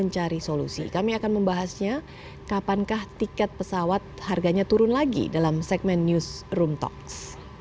cari solusi kami akan membahasnya kapan kah tiket pesawat harganya turun lagi dalam segmen newsroom talks